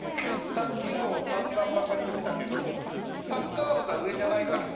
卓球部を散々バカにしてたけどサッカー部が上じゃないからね。